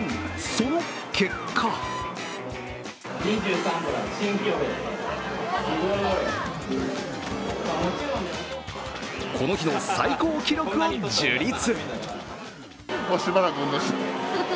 その結果この日の最高記録を樹立。